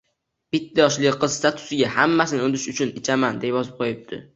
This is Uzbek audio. Bitta yoshli qiz statusiga "Hammasini unutish uchun ichaman!", deb yozib qo'yibdi.